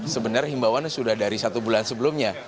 sebenarnya himbawannya sudah dari satu bulan sebelumnya